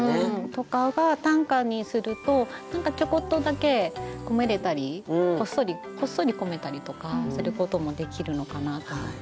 とかが短歌にすると何かちょこっとだけ込めれたりこっそりこっそり込めたりとかすることもできるのかなと思って。